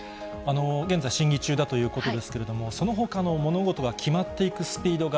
現在、審議中だということですけれども、そのほかの物事が決まっていくスピードが、